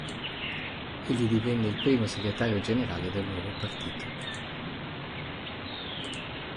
Egli divenne il primo Segretario Generale del nuovo partito.